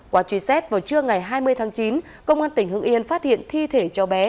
qua truy xét vào trưa ngày hai mươi tháng chín công an tỉnh hưng yên phát hiện thi thể cho bé